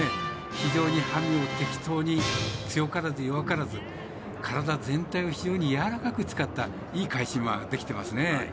非常に馬銜を適当に強からず弱からず体全体を非常にやわらかく使ったいい返し馬ができていますね。